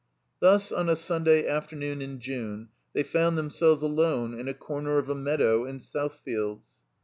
Thus on a Stmday afternoon in June they found themselves alone in a comer of a meadow in South fields.